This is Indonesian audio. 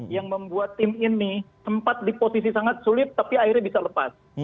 yang membuat tim ini sempat di posisi sangat sulit tapi akhirnya bisa lepas